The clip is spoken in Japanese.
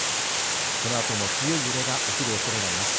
このあとも強い揺れが起きるおそれがあります。